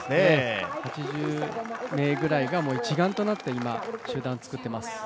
８０名ぐらいが一団となって集団を作っています。